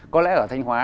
có lẽ ở thanh hóa